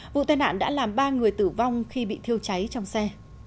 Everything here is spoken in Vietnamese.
vụ tai nạn đã làm ba người tử vong khi bị thiêu cháy trong xe